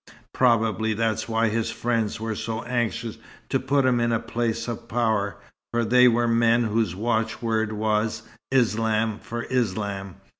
Probably that's why his friends were so anxious to put him in a place of power, for they were men whose watchword was 'Islam for Islam.'